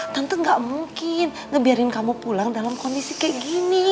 tante gak mungkin ngebiarin kamu pulang dalam kondisi kayak gini